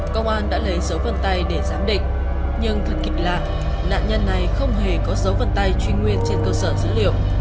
công an đã lấy số vân tay để giám định nhưng thật lạ nạn nhân này không hề có dấu vân tay truy nguyên trên cơ sở dữ liệu